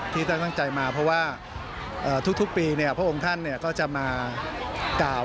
ที่ท่านตั้งใจมาเพราะว่าทุกปีพระองค์ท่านก็จะมากล่าว